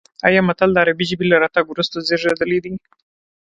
ایا متل د عربي ژبې له راتګ وروسته زېږېدلی دی